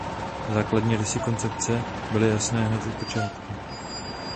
Základní rysy koncepce byly jasné hned od počátku.